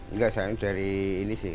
enggak sayang dari ini sih